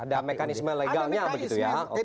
ada mekanisme legalnya begitu ya